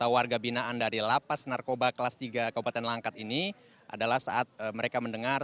warga binaan dari lapas narkoba kelas tiga kabupaten langkat ini adalah saat mereka mendengar